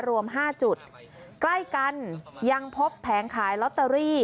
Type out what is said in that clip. รวมห้าจุดใกล้กันยังพบแผงขายลอตเตอรี่